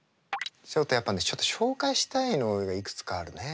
ちょっとやっぱね紹介したいのがいくつかあるね。